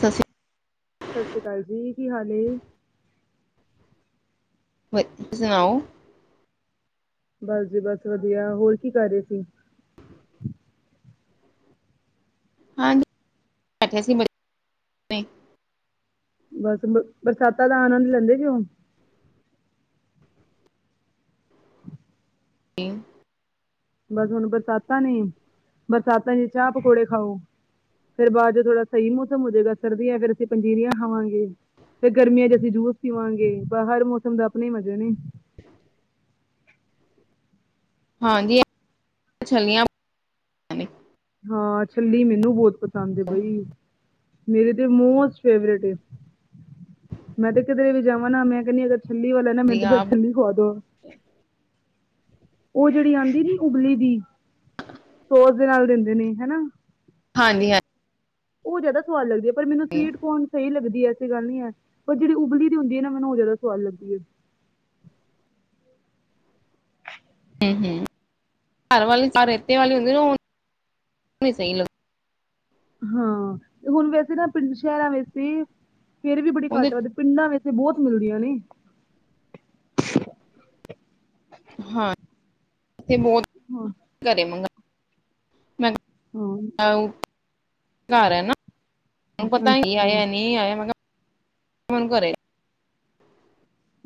ਸਤਿ ਸ਼੍ਰੀ ਸਤਿ ਸ੍ਰੀ ਅਕਾਲ ਜੀ, ਕੀ ਹਾਲ ਏ? [inaudible] ਬਸ ਜੀ ਬਸ ਵਧੀਆ, ਹੋਰ ਕੀ ਕਰ ਰਹੇ ਸੀ। ਹਾਂਜੀ ਬੈਠੇ ਸੀ। ਬੱਚੇ ਬਸ ਬ ਬਰਸਾਤਾਂ ਦਾ ਆੰਨਦ ਲੈਦੇ ਜੀ ਹੁਣ ਹ [inaudible] ਬਸ ਹੁਣ ਬਰਸਾਤਾਂ ਨੇ ਬਰਸਾਤਾਂ ਚ ਚਾਹ ਪਕੌੜੇ ਖਾਓ ਫਿਰ ਬਾਅਦ ਜੋ ਥੋੜ੍ਹਾ ਸਹੀ ਮੌਸਮ ਹੋ ਜਾਵੇਗਾ ਸਰਦੀਆਂ ਫਿਰ ਅਸੀਂ ਪੰਜੀਰੀਆਂ ਖਾਵਾਂਗੇ। ਫੇਰ ਗਰਮੀਆਂ ਚ ਅਸੀਂ ਜੂਸ ਪੀਵਾਂਗੇ, ਪਰ ਹਰ ਮੌਸਮ ਦਾ ਆਪਣੇ ਹੀ ਮਜ਼ੇ ਨੇ। ਹਾਂਜੀ ਛੱਲੀਆਂ ਬਣੀਆਂ ਨੇ ਹਾਂ ਛੱਲੀ ਮੈਨੂੰ ਬਹੁਤ ਪਸੰਦ ਐ ਬਈ ਮੇਰੀ ਤੇ ਮੋਸਟ ਫੇਵਰੇਟ ਏ, ਮੈਂ ਤੇ ਕਿਧਰੇ ਵੀ ਜਾਵਾਂ ਨਾ ਮੈਂ ਕਹਿੰਦੀ ਛੱਲੀ ਵਾਲਾ ਨਾ ਮੈਨੂੰ ਵਧੀਆ, ਬਸ ਛੱਲੀ ਖਵਾ ਦੋ। ਉਹ ਜਿਹੜੀ ਆਉਂਦੀ ਨੀ ਉਬਲੀ ਦੀ, ਸੋਸ ਦੇ ਨਾਲ ਦਿੰਦੇ ਨੇ ਹੈਨਾ ਹਾਂਜੀ-ਹਾਂਜੀ ਉਹ ਜ਼ਿਆਦਾ ਸਵਾਦ ਲਗਦੀ ਹੈ ਪਰ ਮੈਨੂੰ ਹਾਂਜੀ ਸਵੀਟ ਕੋਰਣ ਸਹੀ ਲੱਗਦੀ ਹੈ ਐਸੀ ਗੱਲ ਨੀ ਹੈ, ਪਰ ਜਿਹੜੀ ਉਬਲੀ ਦੀ ਹੁੰਦੀ ਹੈ ਨਾ ਮੈਨੂੰ ਉਹ ਜ਼ਿਆਦਾ ਸੁਵਾਦ ਲੱਗਦੀ ਹੈ। ਹੂ ਹੂ ਘਰ ਵਾਲੀ ਔ ਰੇਤੇ ਵਾਲੀ ਨਾ, ਔਹ ਸਹੀ ਲਗਦੀ ਹਾਂ ਹੁਣ ਵੈਸੇ ਨਾ ਪਿੰਡ, ਸ਼ਹਿਰਾਂ ਵਿੱਚ ਵੀ ਫੇਰ ਵੀ ਬੜੀ ਉਹਦੇ ਘੱਟ ਵੱਧ ਪਿੰਡਾਂ ਵਿੱਚ ਬਹੁਤ ਮਿਲਦੀਆਂ ਨੇ ਹਾਂ ਇਥੇ ਬਹੁਤ ਹਾਂ ਘਰੇ ਮੰਗਾ ਮੈਂ ਹੂ ਕਿਹਾ ਘਰ ਹੈ ਨਾ ਪਤਾ ਨੀ ਅੱਛਾ ਆਇਆ, ਨਹੀਂ ਆਇਆ ਮੈਂ ਕਿਹਾ ਫੋਨ ਕਰੇ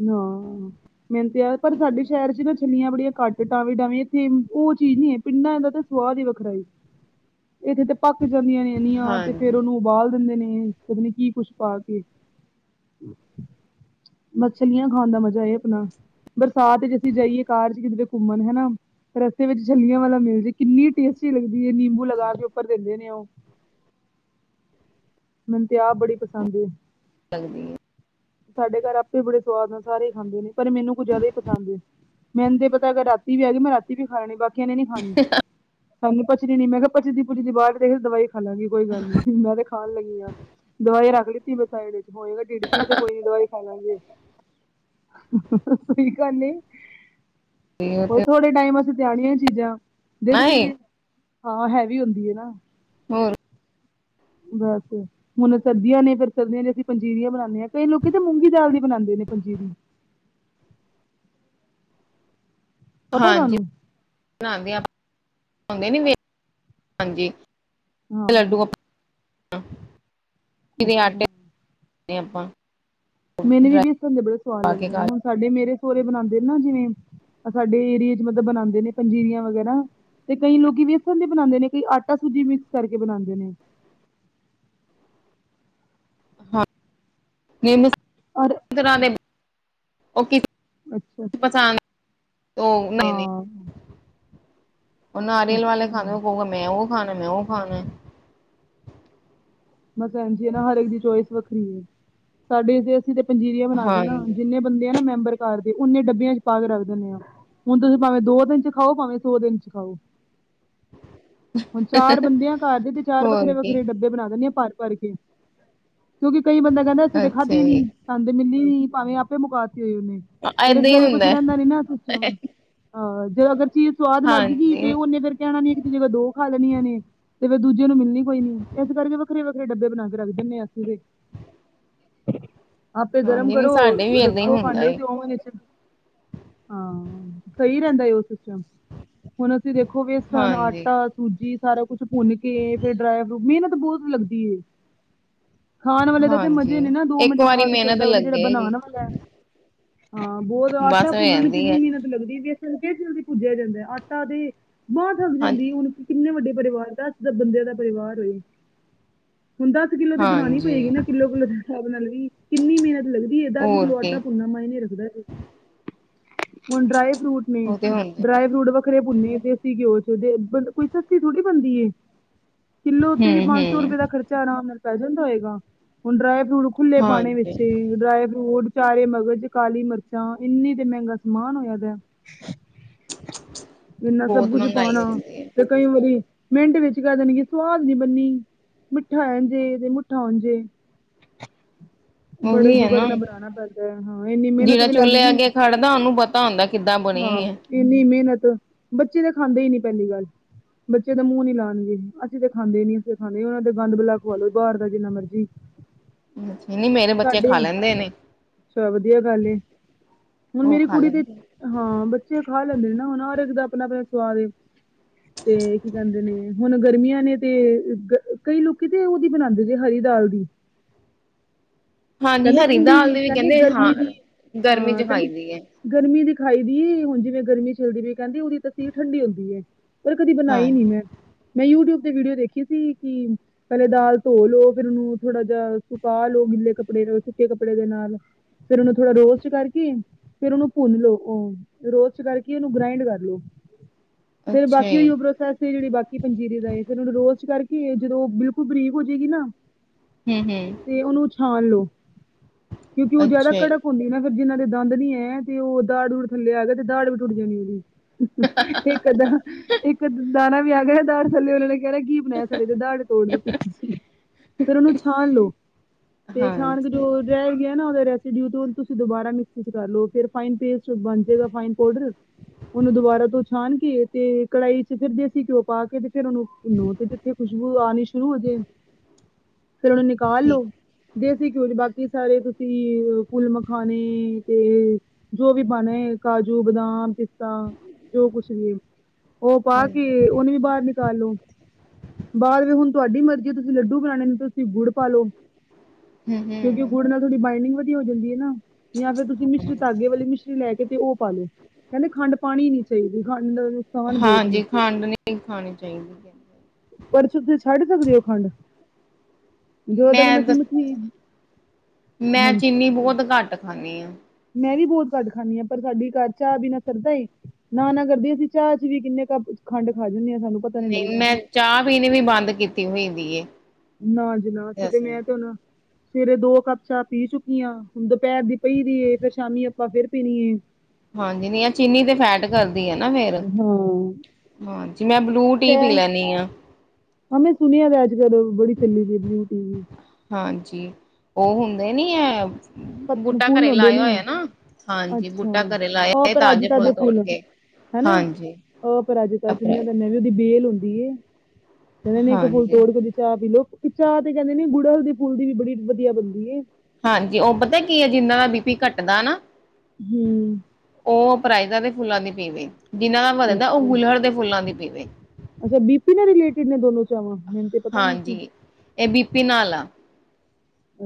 ਹਾਂ ਮੇਹਨਤੀ ਹੈ, ਪਰ ਸਾਡੇ ਸ਼ਹਿਰ ਚ ਨਾ ਛੱਲੀਆਂ ਬੜੀਆਂ ਘੱਟ ਟਾਵੇਂ-ਟਾਵੇਂ ਇੱਥੇ, ਉਹ ਚੀਜ਼ ਨੀ ਹੈ ਪਿੰਡਾਂ ਦਾ ਤਾਂ ਸਵਾਦ ਹੀ ਵੱਖਰਾ। ਇੱਥੇ ਤੇ ਪੱਕ ਜਾਂਦੀਆਂ ਨੇ ਇਨੀਆਂ ਤੇ ਫੇਰ ਹਾਂਜੀ ਉਹਨੂੰ ਉਬਾਲ ਦਿੰਦੇ ਨੇ ਪਤਾ ਨੇ ਕੀ ਕੁੱਛ ਪਾ ਕੇ। ਛਲੀਆਂ ਖਾਣ ਦਾ ਮਜਾ ਹੈ ਆਪਣਾ, ਬਰਸਾਤ ਚ ਅਸੀਂ ਜਾਈਏ ਕਾਰ ਚ ਕਿਧਰੇ ਘੁੰਮਣ ਹੈਨਾ। ਰਸਤੇ ਵਿੱਚ ਛਲੀਆਂ ਵਾਲਾ ਮਿਲ ਜਾਏ, ਕਿੰਨੀ ਟੇਸਟੀ ਲੱਗਦੀ ਹੈ ਨਿੰਬੂ ਲਗਾ ਕੇ ਉੱਪਰ ਦਿੰਦੇ ਨੇ ਉਹ ਮੈਨੂੰ ਤੇ ਆਪ ਬੜੀ ਪਸੰਦ ਏ। ਸਾਡੇ ਘਰ ਆਪੇ ਬੜੇ ਸਵਾਦ ਨਾਲ ਸਾਰੇ ਹੀ ਖਾਂਦੇ ਨੇ, ਪਰ ਮੈਨੂੰ ਕੁ ਜ਼ਿਆਦਾ ਹੀ ਪਸੰਦ ਏ। ਮੈਂਨੂੰ ਤੇ ਪਤਾ ਅਗਰ ਰਾਤੀ ਵੀ ਹੈਗੀ ਮੈਂ ਰਾਤੀ ਵੀ ਖਾ ਲੈਣੀ ਬਸ ਕਹਿੰਦੇ ਨੇ ਨੀ ਖਾਣੀ, ਸਾਨੂੰ ਪਚਦੀ ਨੀ ਮੈਂ ਕਿਹਾ ਪਚਦੀ ਪੁੱਜਦੀ ਬਾਹਰ ਦੇ ਦਵਾਈ ਖਾ ਲਾਂਗੀ ਕੋਈ ਗੱਲ ਨੀ, ਮੈਂ ਤੇ ਖਾਣ ਲੱਗੀ ਹਾਂ ਦਵਾਈ ਰੱਖ ਲਿੱਤੀ ਮੈਂ ਸਾਈਡ ਵਿੱਚ। ਹੋਏਗਾ ਢਿੱਡ ਪੀੜ ਤੇ ਕੋਈ ਨੀ ਦਵਾਈ ਖਾਵਾਂਗੇ ਕਰਨੀ ਤੇ ਉਹ ਹੋਰ ਤੇ ਥੋੜੇ ਟਾਈਮ ਆਸੇ ਤੇ ਆਣੀਆਂ ਚੀਜ਼ਾਂ, ਜੇੜੀ ਨਾ ਚੀਜ਼ ਏ, ਹਾਂ ਹੈਵੀ ਹੁੰਦੀ ਹੈ ਨਾ ਹੋਰ ਬਸ ਹੁਣ ਸਰਦੀਆਂ ਨੇ ਫੇਰ ਸਰਦੀਆਂ ਚ ਅਸੀਂ ਪੰਜੀਰੀਆਂ ਬਣਾਾਨਦੇ ਹਾਂ। ਕਈ ਲੋਕ ਤਾਂ ਮੂੰਗੀ ਦਾਲ ਦੀ ਬਣਾਉਂਦੇ ਨੇ ਪੰਜੀਰੀ। ਪਤਾ ਹਾਂਜੀਂ ਤੁਹਾਨੂੰ ਹਾਂਜੀ ਹਾਂ ਲੱਡੂ ਆਪਾਂ ਆਟੇ ਅੱਛਾ ਆਪਾਂ [inaudible] ਮੈਨੂੰ ਵੀ ਡਰਾਈ ਵੇਸਣ ਦੇ ਬੜੇ ਸਵਾਦ ਪਾ ਕੇ ਲੱਗਦੇ ਨੇ, ਖਾ ਹੁਣ ਲਏ। ਸਾਡੇ ਮੇਰੇ ਸੋਹਰੇ ਬਣਾਉਂਦੇ ਨੇ ਨਾ ਜਿਵੇਂ ਸਾਡੇ ਏਰੀਏ ਚ ਮਤਲਬ ਬਣਾਉਂਦੇ ਨੇ ਪੰਜੀਰੀਆਂ ਵਗੈਰਾ। ਤੇ ਕਈ ਲੋਕ ਵੇਸਣ ਦੀ ਬਣਾਉਂਦੇ ਨੇ ਕਈ ਆਟਾ ਸੂਜੀ ਮਿਕਸ ਕਰਕੇ ਬਣਾਉਂਦੇ ਨੇ। ਹਾਂ ਨਹੀ ਸਾਡੀ। ਔਰ ਤਰ੍ਹਾਂ ਨੇ ਉਹ ਕੀਤੀ ਅੱਛਾ ਪਸੰਦ ਉਹ ਨਹੀਂ-ਨਹੀਂ। ਹਾਂ ਉਹ ਨਾਰੀਅਲ ਵਾਲੇ ਅੱਛਾ ਖਾਣੇ ੳਹ ਕਹੂਗਾ ਮੈਂ ਉਹ ਖਾਣਾ ਮੈਂ ਉਹ ਖਾਣਾ। ਮਸਾ ਏੰਜੇ ਨਾ ਹਰ ਇੱਕ ਦੀ ਚੋਇਸ ਵੱਖਰੀ ਏ। ਸਾਡੇ ਜੇ ਸਿਧਾ ਪੰਜੀਰੀਆ ਬਣਾ ਕੇ ਨਾ ਹਾਂਜੀ ਜਿੰਨੇ ਬੰਦੇ ਆ ਨਾ ਮੈਂਬਰ ਘਰ ਦੇ, ਉਨੇ ਡੱਬਿਆਂ ਚ ਪਾ ਕੇ ਰੱਖ ਦਿੰਨੇ ਆ। ਹੁਣ ਤੁਸੀਂ ਭਾਵੇਂ ਦੋ ਦਿਨ ਚ ਖਾਓ ਭਾਵੇਂ ਸੋ ਦਿਨ ਚ ਖਾਓ। ਹੁਣ ਚਾਰ ਬੰਦੇ ਆਂ ਘਰ ਦੇ ਤੇ ਚਾਰ ਹੋਰ ਕੀ ਵੱਖਰੇ-ਵੱਖਰੇ ਡੱਬੇ ਬਣਾ ਦਿੰਨੇ ਆ। ਭਰ-ਭਰ ਕੇ ਕਿਉਂਕਿ ਕਈ ਬੰਦੇ ਕਹਿੰਦੇ ਅਸੀਂ ਤੇ ਖਾਧੀ ਅੱਛਾ ਜੀ ਨੀ। ਸਾਨੂੰ ਤੇ ਮਿਲੀ ਨੀ ਭਾਵੇਂ ਆਪੇ ਮੁਕਾਤੀ ਹੋਈ ਓਨੇ। ਫੇਰ ਇਸ ਏਦਾਂ ਦਾ ਹੀ ਵੀ ਕੁਛ ਹੁੰਦਾ ਹੈ। ਰੈੰਦਾ ਨੀ ਨਾ ਸੂਚਿਆ ਨੂੰ। ਹਾਂ, ਜੇ ਅਗਰ ਚੀਜ਼ ਸਵਾਦ ਲੱਗ ਗਈ ਹਾਂਜੀ ਤੇ ਉਨੇ ਫਿਰ ਕਹਿਣਾ ਨਹੀਂ ਇਕ ਦੀ ਜਗਾ ਦੋ ਖਾ ਲੈਣੀਆਂ ਨੇ ਤੇ ਫੇਰ ਦੂਜੇ ਨੂੰ ਮਿਲਣੀ ਕੋਈ ਨੀ ਇਸ ਕਰਕੇ ਫੇਰ ਵੱਖਰੇ-ਵੱਖਰੇ ਡੱਬੇ ਬਣਾ ਕੇ ਰੱਖ ਦੇਨੇ ਆਂ ਅਸੀਂ ਤੇ। ਆਪੇ ਗਰਮ ਹਾਂਜੀ ਨਹੀਂ ਕਰੋ, ਸਾਡੇ ਵੀ ਏਦਾਂ ਹੀ ਰੱਖੋ ਹੁੰਦਾ ਭਾਂਡੇ ਏ ਚ ਔਵਨ ਇਚ। ਹਾਂ, ਸਹੀ ਰੈੰਦਾ ਏ ਓਹ ਸਿਸਟਮ। ਹੁਣ ਅਸੀਂ ਦੇਖੋ ਵੇਸਣ, ਹਾਂਜੀ ਆਟਾ ਸੂਜੀ ਸਾਰਾ ਕੁਛ ਭੁੰਨ ਕੇ ਫੇਰ ਡਰਾਈ ਫਰੂਟ ਮਿਹਨਤ ਬਹੁਤ ਲੱਗਦੀ ਏ। ਖਾਣ ਵਾਲੇ ਦਾ ਤੇ ਹਾਂਜੀ ਮਜ਼ੇ ਨੇ ਨਾ ਦੋ ਇੱਕ ਮਿੰਟ ਚ ਵਾਰੀ ਖਾ ਕੇ ਮਿਹਨਤ ਚੱਲਦੈ, ਜਿਹੜਾ ਲੱਗੇਗੀ ਬਣਾਣ ਵਾਲਾ? ਹਾਂ, ਬੌਤ ਆਟਾ ਬਸ ਹੋ ਭੁੰਨਣ ਨੂੰ ਜਾਂਦੀ ਜਿੰਨੀ ਹੈ ਮਿਹਨਤ ਲੱਗਦੀ ਏ, ਵੇਸਣ ਫੇਰ ਜਲਦੀ ਭੁੱਜਿਆ ਜਾਂਦਾ। ਆਟਾ ਦੇ ਬਾਂਹ ਥੱਕ ਹਾਂ ਜਾਂਦੀ ਏ, ਹੁਣ ਕਿੰਨੇ ਵੱਡੇ ਪਰਿਵਾਰ ਦਾ ਦਸ ਦਸ ਬੰਦਿਆਂ ਦਾ ਪਰਿਵਾਰ ਹੋਏ। ਹੁੰਦਾ ਦਸ ਕਿੱਲੋ ਤੇ ਬਣਾਣੀ ਹਾਂਜੀ ਪਏਗੀ ਨਾ, ਕਿੱਲੋ-ਕਿੱਲੋ ਦੇ ਹਿਸਾਬ ਨਾਲ ਵੀ। ਕਿੰਨੀ ਮਿਹਨਤ ਲਗਦੀ ਏ, ਦਸ ਹੋਰ ਕਿੱਲੋ ਆਟਾ ਕੀ ਭੁੰਨਨਾ ਮਾਈਨੇ ਰੱਖਦਾ ਜੇ। ਹੁਣ ਡਰਾਈ ਫਰੂਟ ਨੇ, ਉਹ ਤੇ ਹੁੰਦਾ ਡਰਾਈ ਫਰੂਟ ਵ ਵੱਖਰੇ ਭੁੰਨੇ ਦੇਸੀਂ ਘਿਓ ਚ‌ ਤੇ ਬੰਦਾ ਕੋਈ ਸੱਸਤੀ ਥੋੜ੍ਹੀ ਬਣਦੀ ਏ, ਕਿੱਲੋ ਉੱਤੇ ਹੂੰ ਵੀ ਪੰਜ ਸੌ ਹੂੰ ਰੁਪਏ ਦਾ ਖਰਚਾ ਆਰਾਮ ਨਾਲ ਪੈ ਜਾਂਦਾ ਹੋਏਗਾ ਹੁਣ ਡਰਾਏ ਫਰੂਟ ਖੁੱਲੇ ਪਾਣੇ ਹਾਂਜੀ ਵਿੱਚੇ ਡਰਾਈ ਫਰੂਟ, ਚਾਰੇ ਮਗਜ਼, ਕਾਲੀ ਮਰਚਾਂ ਇੰਨੀ ਤੇ ਮਹਿੰਗਾ ਸਮਾਨ ਹੋਇਆ ਪਿਆ। ਇਨਾ ਸਭ ਬਹੁਤ ਕੁਝ ਮਹਿੰਗਾਈ ਪਾਣਾ ਹੋ ਜਾਂਦੀ ਹੈ ਤੇ ਕਈ ਵਾਰੀ ਮਿੰਟ ਵਿੱਚ ਕੈ ਦੇਣਗੇ, ਸਵਾਦ ਨੀ ਬਨੀ। ਮਿੱਠਾ ਐੰਝ ਏ ਤੇ ਮੂੱਠਾ ਓੰਝ ਏ। ਉਹ ਬੜੇ ਵੀ ਹੈ ਜੁਗਤ ਨਾ ਨਾਲ ਬਣਾਣਾ ਪੈਂਦੈ। ਹਾਂ, ਇੰਨੀ ਮਿਹਨਤ ਜਿਹੜਾ ਵੀ ਲੱਗ ਚੁੱਲ੍ਹੇ ਗਈ ਅੱਗੇ ਖੜਦਾ ਉਹਨੂੰ ਪਤਾ ਹੁੰਦਾ ਕਿੱਦਾਂ ਬਣੀ ਹਾਂ। ਹੈ ਇੰਨੀ ਮਿਹਨਤ ਬੱਚੇ ਤਾਂ ਖਾਂਦੇ ਹੀ ਨੀ ਪੈਲੀ ਗੱਲ। ਬੱਚੇ ਤਾ ਮੂੰਹ ਨੀ ਲਾਣਗੇ, ਅਸੀਂ ਤਾਂ ਖਾਂਦੇ ਨੀ ਇ ਖਾਂਦੇ ਆ ਔਨਾਂ ਨੂੰ ਗੰਦ ਬਲਾ ਖਵਾ ਲੋ ਬਾਰ ਦਾ ਜਿੰਨਾ ਮਰਜੀ। ਨਹੀਂ ਮੇਰੇ ਬੱਚੇ ਸਾਡੇ ਖਾ ਲੈਂਦੇ ਨੇ ਚ ਵਧੀਆ ਗੱਲ ਏ। ਉਹ ਖਾ ਲਓ। ਕਿਦੇ ਹਾਂ, ਬੱਚੇ ਖਾ ਲੈਂਦੇ ਨੇ ਨਾ ਹੁਣ ਹਰ ਇਕ ਦਾ ਅਪਣਾ- ਅਪਣਾ ਸਵਾਦ ਏ। ਤੇ ਕੀ ਕਹਿੰਦੇ ਨੇ ਹੁਣ ਗਰਮੀਆਂ ਨੇ ਤੇ ਕੀ ਕਈ ਲੋਕੀ ਤੇ ਓਦੀ ਬਣਾਦੇ ਜੇ ਹਰੀ ਦਾਲ ਦੀ‌। ਹਾਂਜੀ ਕਹਿੰਦੇ ਹਰੀ ਦਾਲ ਠੰਡੀ ਦੀ ਵੀ ਕਹਿੰਦੇ ਗਰਮੀ ਹਾਂ ਦੀ ਗਰਮੀ ਹਾਂ ਚ ਕਹਿੰਦੇ। ਖਾਈ ਦੀ ਹੈ ਗਰਮੀ ਦੀ ਖਾਈ ਦੀ ਏ ਹੁਣ ਜਿਵੇਂ ਗਰਮੀ ਚੱਲਦੀ ਪੀ ਏ ਕੈੰਦੀ ਉਦੀ ਤਸੀਰ ਠੰਡੀ ਹੁੰਦੀ ਏ। ਪਰ ਕਦੀ ਬਣਾਈ ਨੀ ਹਾਂਜੀ ਮੈਂ। ਮੈਂ ਯੂਟਿਊਬ ਤੇ ਵੀਡੀਓ ਦੇਖੀ ਸੀ ਕਿ ਪਹਿਲੇ ਦਾਲ ਧੋ ਲੋ, ਫੇਰ ਉਹਨੂੰ ਥੋੜ੍ਹਾ ਜਾ ਸੁਕਾ ਲੋ, ਗਿੱਲੇ ਕੱਪੜੇ ਦੇ ਸੁੱਕੇ ਕੱਪੜੇ ਦੇ ਨਾਲ। ਫੇਰ ਉਹਨੂੰ ਥੋੜਾ ਰੋਸਟ ਕਰਕੇ ਫਿਰ ਉਨੂੰ ਭੁੰਨ ਲੋ, ਓਹ ਰੋਸਟ ਕਰਕੇ ਉਨੂੰ ਗ੍ਰਾਇੰਡ ਕਰ ਲੋ। ਫੇਰ ਅੱਛਾ ਬਾਕੀ ਜੀ ਓਈਓ ਪ੍ਰੋਸੈਸ ਏ ਜਿੜੀ ਬਾਕੀ ਪੰਜੀਰੀ ਦਾ ਏ, ਫਿਰ ਉਨੂ ਰੋਜ਼ ਕਰ ਕੇ ਜਦੋਂ ਓਹ ਬਿਲਕੁਲ ਬਰੀਕ ਹੋ ਜੇਗੀ ਨਾ ਹਂ, ਹਂ ਤੇ ਓਨੂੰ ਛਾਣ ਲੋ ਕਿਉਂਕਿ ਓਹ ਜੈਦਾ ਅੱਛਾ ਜੀ ਕੜਕ ਹੁੰਦੀ ਨਾ ਫ਼ਿਰ ਜਿੰਨਾ ਦੇ ਦੰਦ ਨੀ ਏ ਤੇ ਓਹ ਦਾੜ-ਦੂੜ ਥੱਲੇ ਆ ਜੇ ਤੇ ਦਾੜ ਵੀ ਟੁੱਟ ਜਾਣੀ ਉਦੀ। ਇੱਕ ਅੱਧਾ, ਇੱਕ ਅਧਾ ਦਾਣਾ ਵੀ ਆ ਗਿਆ ਦਾੜ ਥੱਲੇ ਔਨਾਂ ਨੇ ਕੈਣੈ ਕਿ ਸਾਡੇ ਤੇ ਦਾੜ ਈ ਤੋੜ ਦਿੱਤੀ ਤੁਸੀਂ। ਫੇਰ ਓਨੂੰ ਛਾਣ ਲੋ ਤੇ ਛਾਣ ਕੇ ਹਾਂਜੀ ਜੋ ਰੈਹ ਗਿਆ ਨਾ ਉਦਾ ਰੈਸੀਡਿਊ ਤੇ ਔਨ ਤੁਸੀਂ ਦੁਬਾਰਾ ਮਿਕਸੀ ਚ ਕਰ ਲੋ, ਫਿਰ ਫਾਈਨ ਪੇਸਟ ਬਣ ਜੇਗਾ, ਫਾਈਨ ਪੋਡਰ। ਉਨੂੰ ਦੁਬਾਰਾ ਤੋਂ ਛਾਣ ਕੇ ਤੇ ਕੜਾਈ ਚ ਫੇਰ ਦੇਸੀ ਘਿਓ ਪਾ ਕੇ ਤੇ ਫ਼ਿਰ ਉਨੂੰ ਭੂਨੋ। ਤੇ ਖੁਸ਼ਬੂ ਆਣੀ ਸ਼ੁਰੂ ਹੋਜੇ, ਫੇਰ ਓਨੂੰ ਨਿਕਾਲ ਲੋੋ। ਠੀਕ ਦੇਸੀ ਘਿਉ ਬਾਕੀ ਸਾਰੇ ਤੁਸੀਂ ਫੁੱਲ ਮਖਾਣੇ ਤੇ ਜੋ ਵੀ ਪਾਣੇ ਕਾਜੂ, ਬਦਾਮ, ਪਿਸਤਾ ਜੋ ਕੁਛ ਵੀ ਉਹ ਪਾ ਹਾਂਜੀ ਕੇ ਹਾਂਜੀ ਉਹਨੂੰ ਵੀ ਬਾਹਰ ਨਿਕਾਲੋ। ਬਾਹਦ ਵ ਹੁਣ ਤੁਹਾਡੀ ਮਰਜ਼ੀ ਆ ਤੁਸੀਂ ਲੱਡੂ ਬਣਾਣੇ ਨੇ ਤੁਸੀਂ ਗੁੜ ਪਾਲੋ। ਹਂ, ਹਂ ਗੁੜ ਨਾਲ ਤੁਹਾਡੀ ਬਾਈੰਡਿੰਗ ਵਧੀਆ ਹੋ ਜਾਂਦੀ ਹੈ ਨਾ ਜਾਂ ਫਿਰ ਤੁਸੀਂ ਮਿਸ਼ਰੀ ਤਾਗੇ ਵਾਲੀ ਮਿਸ਼ਰੀ ਲੈ ਕੇ ਤੇ ਉਹ ਪਾਲੋ। ਕਹਿੰਦੇ ਖੰਡ ਪਾਣੀ ਨੀ ਚਾਹੀਦੀ, ਖੰਡ ਨੁਕਸਾਨ ਬਹੁਤ ਹਾਂਜੀ, ਨੇ ਖੰਡ ਨਈਂ ਖਾਣੀ ਚਾਹੀਦੀ। ਪਰ [unintelligible] ਛੱਡ ਸਕਦੇ ਹੋ ਖੰਡ ਜਦੋਂ ਤੱਕ ਮੈਂ ਅਸੀਂ ਦਸਾ, ਮਿੱਠੀ ਮੈਂ ਹਾਂਜੀ ਚੀਨੀ ਬਹੁਤ ਘੱਟ ਖਾਂਦੀ ਆਂ। ਮੈਂ ਵੀ ਬਹੁਤ ਘੱਟ ਖਾਂਣੀ ਆਂ ਪਰ ਸਾਡੀ ਘਰ ਚਾਹ ਬਿਨਾਂ ਸਰਦਾ। ਨਾ ਨਾ ਕਰਦੀ ਅਸੀਂ ਚਾਹ ਚ ਵੀ ਕਿੰਨੇ ਕੁ ਖੰਡ ਖਾ ਜਾਂਦੇ ਹਾਂ ਸਾਨੂੰ ਪਤਾ ਨੀ ਨਈਂ, ਲੱਗਦਾ ਮੈਂ ਚਾਹ ਪੀਣੀ ਵੀ ਬੰਦ ਕੀਤੀ ਹੋਈ ਦੀ ਏ। ਨਾ ਜੀ ਨਾ, ਸੀ ਤੇ ਮੈਂ ਤੇ ਨਾ ਸਵੇਰੇ ਦੋ ਕੱਪ ਚਾਹ ਪੀ ਚੁੱਕੀ ਆਂ। ਦੁਪਹਿਰ ਦੀ ਪਈ ਦੀ ਏ, ਫਿਰ ਸ਼ਾਮੀ ਆਪਾਂ ਫੇਰ ਪੀਣੀ ਏ। ਹਾਂਜੀ ਨੀ ਇਹ ਚੀਨੀ ਤੇ ਫੈਟ ਕਰਦੀ ਆ ਨਾ ਫਿਰ ਹਾਂ ਹਾਂਜੀ, ਮੈਂ ਬਲੂ ਟੀ ਤੇ ਪੀ ਲੈਂਣੀ ਆਂ। ਹਾਂ ਮੈਂ ਸੁਣਿਆ ਦਾ ਅੱਜ-ਕੱਲ, ਬੜੀ ਚਲੀ ਦੀ ਏ ਬਲੂ ਟੀ ਵੀ। ਹਾਂਜੀ, ਉਹ ਹੁੰਦੇ ਨੀ ਐ ਪਤ- ਬੂਟਾ ਫੁੱਲ ਘਰੇ ਹੁੰਦੇ ਲਾਇਆ ਨੇ ਹੋਇਆ ਨਾ, ਹਾਂਜੀ ਬੂਟਾ ਅੱਛਾ ਘਰੇ ਲਾਇਆ ਹੋਏ ਤਾਂਜ ਅਪਰਾਜਿਤਾ ਫੁੱਲ ਦੇ ਤੋੜ ਕੇ। ਹਨਾ ਹਾਂਜੀ ਅਪਰਾਜਿਤਾ ਅਪ ਸੁਣਿਆ ਦਾ ਮੈਂ ਉਹਦੀ ਬੇਲ ਹੁੰਦੀ ਏ, ਉਹਨਾਂ ਨੇ ਇੱਕ ਫੁੱਲ ਹਾਂਜੀ ਤੋੜ ਕੇ [unintelligible] ਚਾਹ ਪੀਲਓ, ਚਾਹ ਤੇ ਕਹਿੰਦੇ ਨੇ ਗੁੜ ਹਲ ਦੇ ਫੁਲ ਦੀ ਵੀ ਬੜੀ ਵਧੀਆ ਬਣਦੀ ਏ। ਹਾਂਜੀ ਉਹ ਪਤਾ ਕੀ ਐ ਜਿੰਨਾਂ ਦਾ ਬੀ ਪੀ ਘੱਟਦਾ ਨਾ ਹਂ ਉਹ ਅਪਰਾਈਜ਼ਾਂ ਦੇ ਫੁੱਲਾਂ ਦੀ ਪੀਵੇ, ਜਿਹਨਾਂ ਦਾ ਵਧਦਾ ਉਹ ਅੱਛਾ। ਗੁਲਹੜ ਦੇ ਫੁੱਲਾਂ ਦੀ ਪੀਵੇ। ਅੱਛਾ ਬੀ ਪੀ ਨਾਲ ਰਿਲੇਟਿਡ ਨੇ ਦੋਨੋਂ ਚਾਵਾਂ ਤੇ ਪਤਾ ਨੀ ਸੀ। ਹਾਂਜੀ, ਇਹ ਬੀ ਪੀ ਨਾਲ ਆ।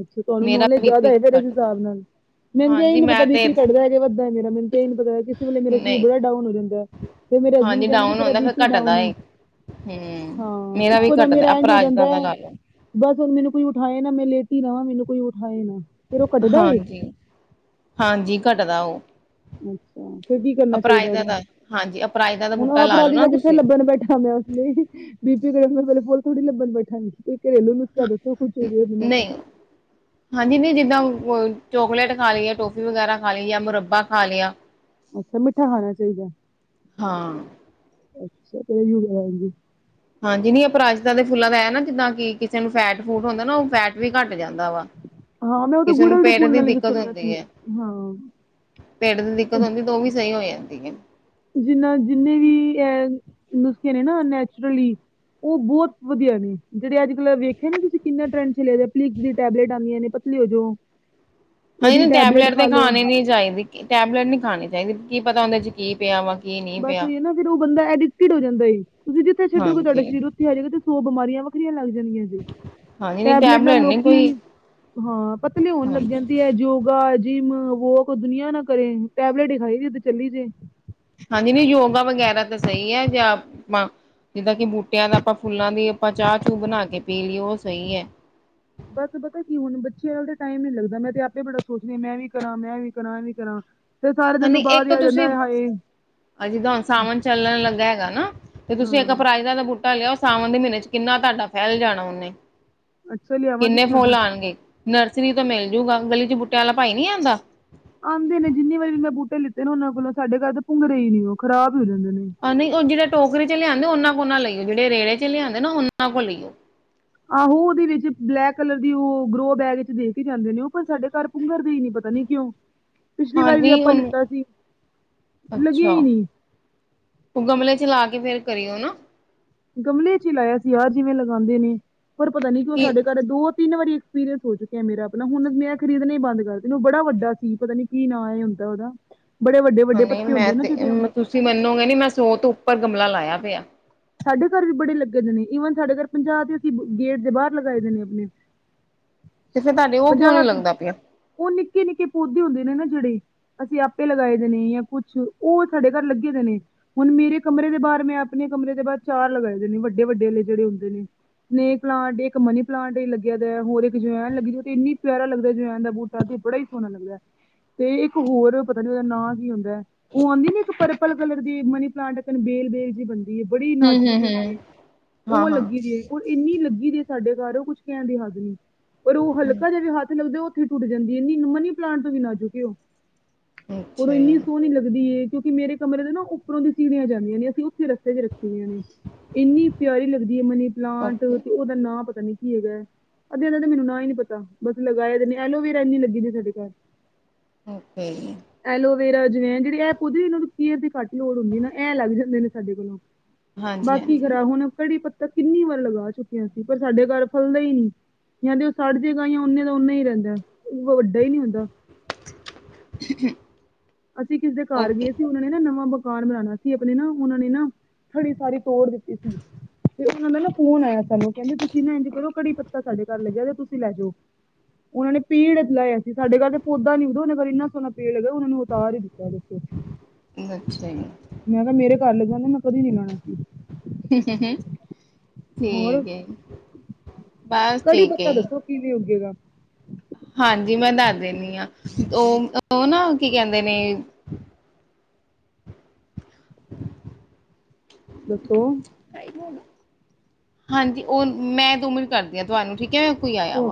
ਅੱਛਾ ਤੁਹਾਨੂੰ ਮੇਰਾ ਨੌਲੇਜ ਬੀ ਜ਼ਿਆਦਾ ਪੀ ਐ ਫੇਰ ਇਸ ਘੱਟਦਾ ਹਿਸਾਬ ਨਾਲ। ਮੈਨੂੰ ਇਹ ਹਾਂਜੀ ਨੀ ਪਤਾ ਮੈਂ ਤੇ ਬੀਪੀ ਘਟਦਾ ਹੈਗਾ ਵੱਧਦਾ ਮੇਰਾ ਮੈਨੂੰ ਇਹ ਨੀ ਪਤਾ ਕਿਸੇ ਮੇਰਾ ਸਰੀਰ ਨਹੀਂ ਬੜਾ ਡਾਊਨ ਹੋ ਜਾਂਦਾ ਐ। ਫਿਰ ਮੇਰੇ ਹਸਬੈਂਡ ਕਹਿਣਗੇ ਤੇਰਾ ਬੀ ਪੀ ਡਾਊਨਏ। ਹਂ, ਮੇਰਾ ਵੀ ਘੱਟਦਾ ਇੰਝ ਹੋ ਅਪਰਾਜਤਾ ਜਾਂਦਾ ਦਾ ਹੈ। ਲੈ ਲੋ। ਬਸ ਹੁਣ ਮੈਨੂੰ ਕੋਈ ਉਠਾਏ ਨਾ ਮੈਂ ਲੇਟੀ ਥਾਂ, ਮੈਨੂੰ ਕੋਈ ਉਠਾਏ ਨਾ। ਫੇਰ ਉਹ ਘੱਟਦਾ ਏ। ਹਾਂਜੀ ਹਾਂਜੀ ਘਟਦਾ ਉਹ ਅੱਛਾ ਫਿਰ ਕੀ ਕਰਨਾ ਚਾਹੀਦਾ ਅਪਰਾਜਤਾ ਉਹਦਦਾ ਦਾ ਹਾਂਜੀ ਅਪਰਾਜਤਾ ਦਾ ਹੁਣ ਬੂਟਾ ਆਪ ਲਾ ਲਓ ਰਾਜੇ ਨਾ ਦਾ ਕਿ ਫਿਰ ਤੁਸੀਂ ਲੱਭਣ ਬੈਠਾ ਮੈਂ ਉਸ ਲਈ ਬੀਬੀ ਕਗਰ ਪੇਲੇ ਬੋਲ ਥੋੜੀ ਲੱਣ ਬੈਠਾਗੀ ਸੀ ਕੋਈ ਘਰੇਲੂ ਨੁਸਕਾਾ ਦੱਸੋ ਖੁਸ਼ ਹੋ ਜਾਵੇ ਉਹਦੇ ਨਾਲ ਨਹੀਂ ਹਾਂਜੀ ਨ ਜਿੱਦਾਂ ਚੋਕਲੇਟ ਖਾ ਲਈਏ ਟੋਫੀ ਵਗੈਰਾ ਖਾ ਲਈ ਜਾਂ ਮੁਰੱਬਾ ਖਾ ਲਿਆ ਅੱਛਾ ਮਿੱਠਾ ਖਾਣਾ ਚਾਹੀਦਾ ਹਾਂ, ਅੱਛਾ ਤੇ ਹਾਂਜੀ ਨੀ ਅਪਰਾਜਤਾ ਦੇ ਫੁੱਲਾਂ ਦਾ ਹੈ ਨਾ ਜਿੱਦਾਂ ਕਿ ਕਿਸੇ ਨੂੰ ਫੈਟ ਫੂਟ ਹੁੰਦਾ ਨਾ ਉਹ ਫੈਟ ਵੀ ਘੱਟ ਜਾਂਦਾ ਵਾ ਹਾਂ ਮੈਂ ਉਹਦੇ ਕਿਸੇ ਨੂੰ ਗੁੜਲ ਦੇ ਪੇਟ ਫੂਲ ਦੀ ਨਾਲ ਵੀ ਸੁਣਿਆ ਸੀ ਹਾਂ ਪੇੜ ਦੀ ਦਿੱਕਤ ਹੁੰਦੀ ਤੇ ਉਹ ਵੀ ਸਹੀ ਹੋ ਜਾਂਦੀ ਹੈ ਜਿੰਨਾ ਜਿੰਨੇ ਵੀ ਇਹ ਨੁਸਖੇ ਨੇ ਨਾ ਨੈਚੁਰਲੀ ਉਹ ਬਹੁਤ ਵਧੀਆ ਨੇ ਜਿਹੜੇ ਅੱਜ ਕਲ ਵੇਖੇ ਨਾ ਤੁਸੀਂ ਕਿੰਨਾ ਟਰੈਂਡ ਚਲੇ ਪ ਦੀ ਟੈਬਟ ਆਂ ਨੇ ਲਓ ਜੋ ਹਾਂਜੀ ਉਹਦੀ ਨਹੀਂ ਟੈਬਲੇਟ ਤੇ ਖਾ ਖਾਣੀ ਨੀ ਚਾਹੀਦੀ ਟੈਬਲੇਟ ਨਹੀਂੀ ਖਾਣੀ ਚਾਹੀਦੀ ਕੀ ਪਤਾ ਹਦੇ ਚ ਕੀ ਪਿਆ ਵਾ ਕੀ ਨਹੀਂ ਬਸ ਪਿਆ ਹੀ ਹੈ ਨਾ ਫ਼ਿਰ ਉਹ ਬੰਦਾ ਐਡਿਕਟਿਡ ਹੋ ਜਾਂਦਾ ਸੀ ਤੁਸੀਂ ਜਿੱਥੇ ਛੱਡੋਗੇ ਤੁਹਾਡੇ ਹਾਂਜੀ ਸਰੀਰ ਹੋਜੇਗਾ ਤੇ ਸੋ ਬਿਮਾਰੀਆਂ ਵੱਖਰੀਆਂ ਲੱਗ ਜਾਂਦੀਆਂ ਜੀ ਹਾਂਜੀ ਨਹੀਂ ਟੈਬਲੇਟ ਨਾਲ ਨੀ ਲੋਕੀ ਕੋਈ ਹਾਂ ਪਤਲੇਿਆਉਣ ਲੱਗ ਹਾਂਜੀ ਜਾਂਦੀ ਹੈ ਯੋਗਾ ਜਿੰਮ ਵੋ ਕੋਈ ਦੁਨੀਆਂ ਨਾ ਕਰੇ ਟੈਬਲੇਟ ਹੀ ਖਾਈ ਉ ਚੱਲੀ ਜੇ ਹਾ ਦੀਦੀ ਨੀ ਯੋਗਾ ਵਗੈਰਾ ਤਾਂ ਸਹੀ ਹੈ ਜਾਂ। ਜਿੱਦਾਂ ਕਿ ਬੂਟਿਆਂ ਦਾ ਆਪਾਂ ਫੁੱਲਾਂ ਦੀ ਆਪਾਂ ਚਾਹ ਚੂ ਬਣਾ ਕੇ ਪੀ ਲਈਏ ਉਹ ਸਹੀ ਹੈ। ਬਸ ਪਤਾ ਕੀ ਹੁਣ ਬੱਚਿਆਂ ਦਾ ਟਾਈਮ ਨੀ ਲੱਗਦਾ ਮੈਂ ਤੇ ਆਪੇ ਬੜਾ ਸੋਚਦੀ ਹਾਂ ਮੈਂ ਵੀ ਕਰਾਂ' ਮੈਂ ਵੀ ਕਰਾਂ' ਐ ਵੀ ਕਰਾਂ। ਤੇ ਸਾਡੇ ਤਿੰਨ ਦਿਨ ਤੋਂ ਬਾਅਦ ਹੀ ਆ ਜਾਂਦਾ ਹਾਏ। ਆ ਜਿੱਦਾਂ ਹੁਣ ਸਾਮਣ ਚੱਲਣ ਲੱਗਾ ਹੈਗਾ ਨਾ ਤੇ ਤੁਸੀਂ ਇੱਕ ਹਾਂ ਅਪਰਾਜ ਦਾ ਦਾ ਬੂਟਾ। ਲਿਆ ਉਹ ਸਾਵਣ ਦੇ ਮਹੀਨੇ ਚ ਕਿੰਨਾ ਤੁਹਾਡਾ ਫੈਲ ਜਾਣਾ ਉਹਨੇ ਅੱਛਾ ਲਿਆਵਾਂ ਕਿੰਨੇ ਕਿੱਥੋਂ ਫੋਲ ਦੀ ਆਂਗਏ। ਨਰਸਰੀ ਤੋਂ ਮਿਲਜੂਗਾ ਗਲੀ ਚ ਬੁੂਟਿਆਂ ਵਾਲਾ ਭਾਈ ਨਹੀਂੀ ਆਉਂਦਾ। ਆਉਂਦੇ ਨੇ ਜਿੰਨੀ ਵਾਰੀ ਵੀ ਮੈਂ ਬੂਟੇ ਲਿੱਤੇ ਨੇ ਉਹਨਾਂ ਕੋਲੋਂ ਸਾਡੇ ਘਰ ਤਾਂ ਭੁੰਗਰੇ ਹੀ ਨਿ ਉਹ ਖਰਾਬ ਹੋ ਜਾਂਦੇ ਨੇ। ਨਹੀਂ ਉਹ ਜਿਹੜੇ ਟੋਕਰੇ ਚ ਲ ਆਉਂਦੇ ਉਹਨਾਂ ਕੋਲ ਨਾ ਲਈਓ'ਜਿਹੜੇ ਰੇੜੇ ਚ ਲ ਆਂਦੇ ਨਾ ਉਹਨਾਂ ਕੋਲ ਲਈਓ। ਆਹੋ ਉਹਦੇ ਵਿੱਚ ਬਲੈਕ ਕਲਰ ਦੀ ਉਹ ਗਰੋ ਬੈਗ ਵਿੱਚ ਦੇਖ ਕੇ ਜਾਂਦੇ ਨੇ ਉਹ ਪਰ ਸਾਡੇ ਘਰ ਭੁੰਘਰ ਦਾ ਹੀ ਨੀ ਪਤਾ ਨੀ ਕਿਉਂ। ਪਿਛਲੀ ਹਾਂ ਵਾਰੀ ਵੀ ਨਹੀਂ ਆਪਾਂ ਉਹਨੂੰ ਲਿੱਤਾ ਸੀ ਲੱਗਿਆ ਅੱਛਾ ਹੀ ਨਹੀਂ ਉਹ ਗਮਲੇ ਚ ਲਾ ਕੇ ਫੇਰ ਕਰੀਓ ਨਾ। ਗਮਲੇ ਚ ਹੀ ਲਾਇਆ ਸੀ ਯਾਰ ਜਿਵੇਂ ਲਗਾਉਂਦੇ ਨੇ ਪਰ ਪਤਾ ਨੀ ਕਿ ਸਾਡੇ ਘਰ ਦੋ ਤਿੰਨ ਵਾਰੀ। ਐਕਸਪ੍ਰਾਈਨਜ਼ ਹੋ ਚੁੱਕ ਮੇਰਾ ਆਪਣਾ ਹੁਣ ਮੈਂ ਖਰੀਦ ਹੀ ਬੰਦ ਕਰਦੀ ਬੜਾ ਵੱਡਾ ਸੀ ਪਤਾ ਨੀ ਕੀ ਨਾਂ ਹੁੰਦਾ ਉਹਦਾ। ਬੜੇ ਹਾਂ ਵੱਡੇ-ਵੱਡੇ ਨਹੀਂ ਪੱਤੇ ਹੁੰਦੇ ਮੈਂ ਆ ਨਾ ਤੇ ਜਿਹਦੇ। ਤੁਸੀਂ ਮੰਨੋਗੇ ਨੀ ਮੈਂ ਸੋਹ ਤੋਂ ਉੱਪਰ ਗਮਲਾ ਲਾਇਆ ਪਿਆ। ਸਾਡੇ ਘਰ ਵੀ ਬੜੇ ਲੱਗੇ ਦੇ ਨੇ ਈਵਨ ਸਾਡੇ ਘਰ ਪੰਜਾਹ ਤੇ ਅਸੀਂ ਗੇਟ ਦੇ ਬਾਹਰ ਲਗਾਏ ਦੇ ਨੇ ਆਪਣੇ। [inaudible] ਤੇ ਫਿਰ ਤੁਹਾਡੇ ਉਹ ਕਿਉਂ ਪੰਜਾਹ ਨੀ ਤ ਲੰਗਦਾ ਪਿਆ। ਉਹ ਨਿੱਕੇ ਨਿੱਕੇ ਪੌਦੇ ਹੁੰਦੇ ਨੇ ਨਾ ਜਿਹੜੇ। ਅਸੀਂ ਆਪੇ ਲਗਾਏ ਦੇ ਨੇ ਜਾਂ ਕੁਛ ਉਹ ਸਾਡੇ ਘਰ ਲੱਗੇ ਦੇ ਨੇ। ਹੁਣ ਮੇਰੇ ਕਮਰੇ ਦੇ ਬਾਹਰ ਮੈਂ ਆਪਣੇ ਕਮਰੇ ਦੇ ਬਾਹ ਚਾਰ ਲਗਾਏ ਦੇ ਨੇ ਵੱਡੇ-ਵੱਡੇ ਜਿਹੜੇ ਹੁੰਦੇ ਨੇ। ਸਨੇਕ ਪਲਾਂਟ ਹੀ ਇੱਕ ਮਨੀ ਪਲਾਂਟ ਹੀ ਲੱਗਿਆ ਦਾ ਹੈ ਹੋਰ ਇੱਕ ਜਵਾਇਨ ਲੱਗੀ ਹੈ ਇੰਨੀ ਪਿਆਰਾ ਲੱਗਦਾ ਜਵਾਇਨ ਦਾ ਬੂਟ। ਕਰਦੇ ਬੜਾ ਹੀ ਸੋਹਣਾ ਲੱਗਦਾ ਹੈ ਤੇ ਇੱਕ ਹੋਰ ਪਤਾ ਨੀ ਉਹਦਾ ਨਾਂ ਕੀ ਹੁੰਦਾ ਹੈ। ਉਹ ਆਉਂਦੀ ਨ ਇੱਕ ਪਰਪਲ ਕਲਰ ਦੀ ਮਨੀ ਪਲਾਂਟ ਬੇਲ-ਬੇਲ ਜੀ। ਬੜੀ ਹੂੰ ਨਾਜੁਕ ਹੂੰ ਜੀ ਹੁੰਦੀ ਹੂੰ ਹੈ ਹਾਂ ਉਹ ਹਾਂ ਲੱਗੀ ਦੀ ਹੈ। ਉਹ ਇੰਨੀ ਲੱਗੀ ਦੀ ਸਾਡੇ ਘਰ ਉਹ ਕੁਛ ਕਹਿਣ ਦੀ ਹੱਦ ਨੀ ਪਰ ਉਹ ਹੂੰ। ਹਲਕਾ ਜਿਹੇ ਵੀ ਹੱਥ ਲੱਗਦੇ। ਟੁੱਟ ਜਾਂਦੀਏ ਇਹਨੀ ਮਨੀ ਪਲਾਂਟ ਤੋਂ ਵੀ ਨਾ ਨਾਜੁਕ ਉਹ। ਹੋਰ ਅੱਛਾ ਇੰਨੀ ਜੀ ਸੋਹਣੀ ਨੀ ਲੱਗਦੀ ਹੈ। ਕਿਉਂਕਿ ਮੇਰੇ ਕਮਰੇ ਦੇ ਨਾ ਉਪਰੋਂ ਦੀ ਸੀੜੀਆਂ ਜਾਂਦੀਆਂ ਨੇ ਅਸੀਂ ਉੱਥੇ ਰਸਤੇ ਚ ਰੱਖੀ। ਇਨੀ ਪਿਆਰੀ ਲੱਗਦੀ ਹੈ। ਮਨੀ ਪਲਾਂਟ ਓਕੇ ਤੇ ਉਹਦਾ ਨਾਂ ਪਤਾ ਨੀ ਕੀ ਹੈਗਾ ਹੈ? ਅੱਧਿਆ ਦਾ ਤਾ ਮੈਨੂੰ ਨਾਂ ਹੀ ਨਹੀਂ ਪਤਾ ਬਸ ਲਗਾ ਹੀ ਦਿਨੇ ਆ ਐਲੋਵੇਰਾ ਇੰਨੀ ਲੱਗੀ ਸੀ ਸਾਡੇ ਘਰ। ਓਕ। ਐਲੋਵੇਰਾ ਜਵੈਨ ਜਿਹੜੀ ਇਹ ਖੁਦ ਵੀ ਉਹਨਾਂ ਨੂੰ ਕੇਅਰ ਦੀ ਘੱਟ ਲੋੜ ਹੁੰਦੀ ਨਾ ਐਂ ਲੱਗ ਜਾਂਦੇ ਨੇ ਸਾਡੇ ਕੋਲੋਂ। ਹਾਂਜੀ ਬਾਕੀ ਹਾਂਜੀ ਖਰਾ ਹੁਣ ਕੜੀ ਪੱਤਾ ਕਿੰਨੀ ਵਾਰ ਲਗਾ ਚੁੱਕਿਆ ਸੀ ਪਰ ਸਾਡੇ ਘਰ ਫਲਦਾ ਹੀ ਨਹੀਂ। ਜਾਂ ਤੇ ਉਹ ਸੜ ਜੇ ਗਾ ਜਾਂ ਓਨੇ ਦਾ ਓਨਾ ਹੀ ਰਹਿੰਦਾ ਉਹ ਵੱਡਾ ਹੀ ਨਹੀਂ ਹੁੰਦਾ। ਠੀਕ ਹੈ ਅਸੀਂ ਕਿਸ ਦੇ ਘਰ ਗਏ ਸੀ। ਉਹਨਾ ਨੇ ਨਾ ਨਵਾਂ ਮਕਾਨ ਬਨਾਣਾ ਸੀ। ਆਪਣੇ ਨਾ ਉਹ ਨੇ ਨਾ। ਥੜੀ ਸਾਰੀ ਤੋੜ ਦਿੱਤੀ ਸੀ। ਤੇ ਉਹ ਦਾ ਨਾ ਫੋਨ ਆਇਆ ਸਾਨੂੰ ਕਹਿੰਦੇ, ਤੁਸੀ ਇੰਝ ਕਰੋ ਕੜੀ ਪੱਤਾ ਸਾਡੇ ਘਰ ਲੱਗਿਆ ਤੇ ਤੁਸੀਂ ਲੈ ਜਾਓ। ਉਹ ਨੇ ਪੇੜ ਲਇਆ ਸੀ। ਸਾਡੇ ਘਰ ਤੇ ਪੌਦਾ ਨੀ ਉਗਿਆ। ਉਹਨਾਂ ਘਰ ਇੰਨਾ ਸੋਹਣਾ ਪੇੜ ਲੱਗਾ ਉਹਨਾ ਨੂੰ। ਸਾਰੇ ਹੀ ਦਿੱਤਾ। ਅੱਛਾ ਜੀ ਮੈਂ ਕਿਹਾ ਮੇਰੇ ਘਰ ਲੱਗਾ ਜਾਂਦੇ ਮੈਂ ਕਦੀ ਨੀ ਲਾਣਾ ਸੀ। ਹੂੰ ਹੂੰ ਹੂੰ ਹੋਰ ਠੀਕ ਏ'। ਬਸ ਠੀਕ ਏ। ਕਿਵੇ ਊਗੇਗਾ? ਹਾਂਜੀ ਮੈਂ ਦੱਸ ਦਿੰਦੀ ਹਾਂ। ਉਹ ਉਹ ਨਾ ਕੀ ਕਹਿੰਦੇ ਨੇ? ਹ [inaudible] ਦੱਸੋ। ਹਾਂਜੀ, ਉਹ ਮੈਂ ਦੋ ਮਿੰਟ ਕਰਦੀ ਹਾਂ, ਤੁਹਾਨੂੰ ਠੀਕ ਹੈ। ਕੋਈ ਆਇਆ ਵਾ।